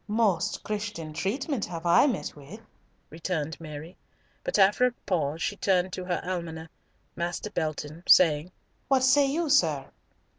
"Most Christian treatment have I met with," returned Mary; but after a pause she turned to her almoner. Master Belton, saying, "What say you, sir?"